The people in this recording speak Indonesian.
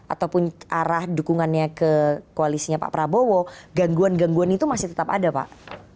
ataupun arah dukungannya ke koalisinya pak prabowo gangguan gangguan itu masih tetap ada pak